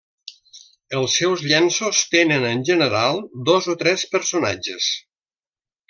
Els seus llenços tenen, en general, dos o tres personatges.